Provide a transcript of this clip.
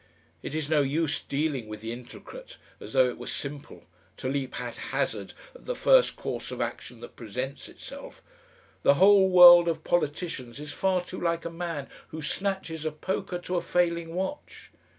It is no use dealing with the intricate as though it were simple, to leap haphazard at the first course of action that presents itself; the whole world of politicians is far too like a man who snatches a poker to a failing watch.